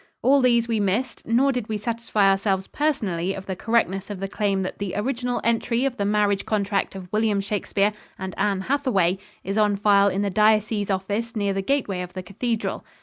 All these we missed; nor did we satisfy ourselves personally of the correctness of the claim that the original entry of the marriage contract of William Shakespeare and Anne Hathaway is on file in the diocese office near the gateway of the cathedral.